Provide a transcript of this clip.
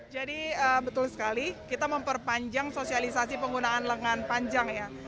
jadi betul sekali kita memperpanjang sosialisasi penggunaan lengan panjang ya